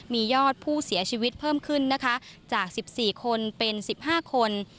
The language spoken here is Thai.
มียอดผู้เสียชีวิตเพิ่มขึ้นนะคะจาก๑๔คนเป็น๑๕คน